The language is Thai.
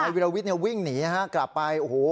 ไอวิลวิทย์วิ่งหนีกลับไป